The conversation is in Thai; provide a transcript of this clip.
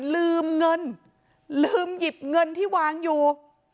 ลืมเงินลืมหยิบเงินที่วางอยู่